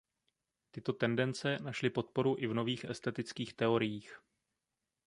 Tyto tendence našly podporu i v nových estetických teoriích.